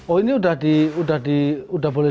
oh ini sudah bisa dimakan